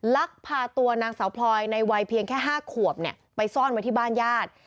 ลักพาตัวนางสาวพลอยในวัยเพียงแค่๕ขวบไปซ่อนไว้ที่บ้านญาติ